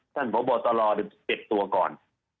สั้นพอบัตรรอ๗ตัวก่อน